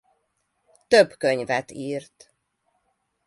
Több könyvet írt.